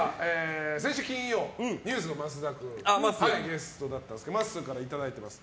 先週金曜日、ＮＥＷＳの増田君がゲストだったんですけどまっすーからいただいてます。